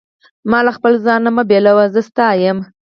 ما له خپل ځانه مه بېلوه، زه ستا یم.